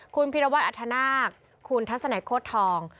คุณพิรวัตรอัธนาคคุณทัศนัยโคตรทอง